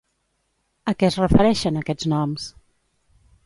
A què es refereixen aquests noms?